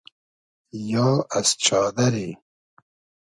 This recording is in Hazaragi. یا از چادئری